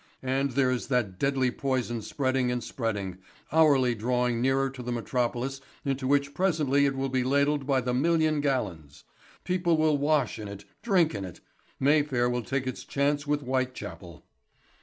And there is that deadly poison spreading and spreading, hourly drawing nearer to the metropolis into which presently it will be ladled by the million gallons. People will wash in it, drink it. Mayfair will take its chance with Whitechapel."